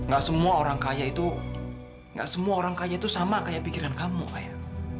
gak semua orang kaya itu sama kayak pikiran kamu ayah